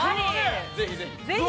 ◆ぜひぜひ。